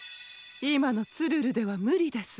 いまのツルルではむりです。